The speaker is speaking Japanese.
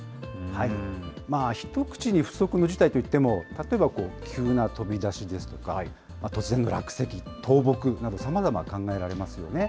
一口に不測の事態といっても、例えば急な飛び出しですとか、突然の落石、倒木など、さまざま考えられますよね。